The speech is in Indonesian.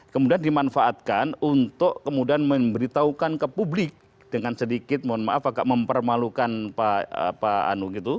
kemudian dimanfaatkan untuk kemudian memberitahukan ke publik dengan sedikit mohon maaf agak mempermalukan pak anu gitu